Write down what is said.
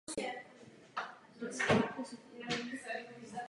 Avšak již po několika letech od vybudování se začaly objevovat problémy.